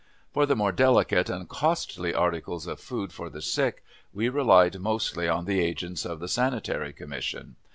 For the more delicate and costly articles of food for the sick we relied mostly on the agents of the Sanitary Commission.